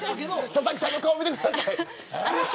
佐々木さんの顔を見てください。